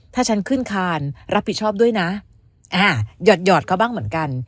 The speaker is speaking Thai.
ถ้าฉันขึ้นคานรับผิดชอบด้วยนะหยอดเขาบ้างเหมือนกัน